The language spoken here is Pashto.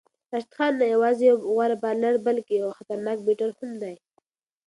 راشد خان نه یوازې یو غوره بالر بلکې یو خطرناک بیټر هم دی.